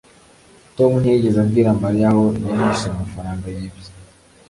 tom ntiyigeze abwira mariya aho yahishe amafaranga yibye